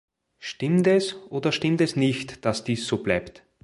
Stimmt es oder stimmt es nicht, dass dies so bleibt?